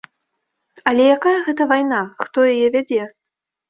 Але якая гэта вайна, хто яе вядзе?